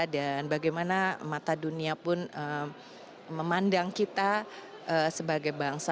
dan bagaimana mata dunia pun memandang kita sebagai bangsa